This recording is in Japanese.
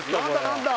何だ？